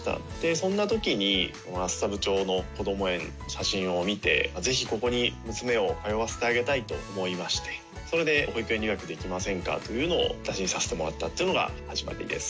そんなときに、厚沢部町のこども園の写真を見て、ぜひここに娘を通わせてあげたいと思いまして、それで保育園留学できませんか？というのを打診させてもらったっていうのが始まりです。